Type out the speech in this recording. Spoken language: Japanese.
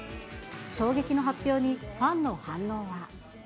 衝撃の発表に、ファンの反応は。